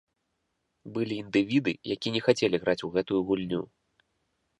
Былі індывіды, якія не хацелі граць у гэтую гульню.